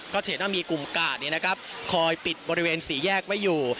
ก็จะเห็นว่ามีกลุ่มกาดนี้นะครับคอยปิดบริเวณศรีแยกไว้อยู่